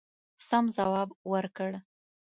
سم جواب ورکړ.